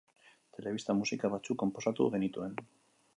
Telebista musika batzu konposatu genituen.